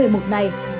hãy chú ý nhé